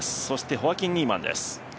そしてホアキン・ニーマンです。